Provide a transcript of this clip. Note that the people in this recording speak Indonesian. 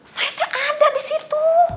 saya tidak ada di situ